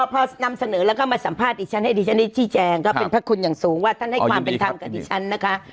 พอนำเสนอแล้วก็มาสัมภาษณ์ดิฉันให้ดิฉันได้ชี้แจงก็เป็นพระคุณอย่างสูงว่าท่านให้ความเป็นธรรมกับดิฉันนะคะ